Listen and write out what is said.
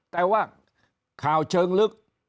แต่ว่าข่าวเชิงลึก